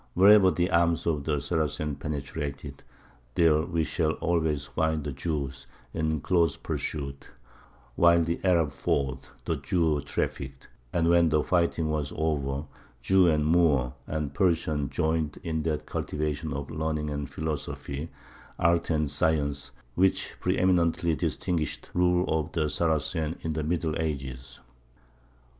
Wherever the arms of the Saracens penetrated, there we shall always find the Jews in close pursuit: while the Arab fought, the Jew trafficked, and when the fighting was over, Jew and Moor and Persian joined in that cultivation of learning and philosophy, arts and sciences, which preëminently distinguished the rule of the Saracens in the Middle Ages.